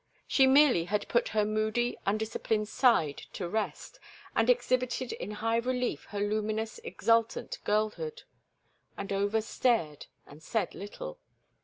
She merely had put her moody, undisciplined side to rest and exhibited in high relief her luminous, exultant girlhood; and Over stared and said little.